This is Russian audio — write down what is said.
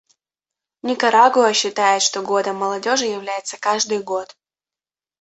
Никарагуа считает, что годом молодежи является каждый год.